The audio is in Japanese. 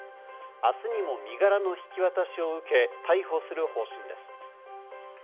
明日にも身柄の引き渡しを受け、逮捕する方針です。